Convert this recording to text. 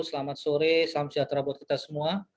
selamat sore salam sejahtera buat kita semua